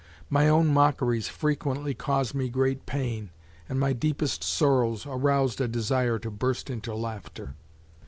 My own mockeries frequently caused me great pain and my deepest sorrows aroused a desire to burst into laughter.